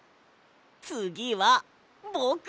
つぎはぼく。